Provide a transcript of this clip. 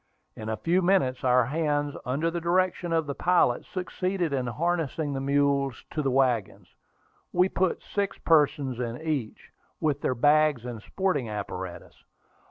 In a few minutes, our hands, under the direction of the pilot, succeeded in harnessing the mules to the wagons. We put six persons in each, with their bags and sporting apparatus.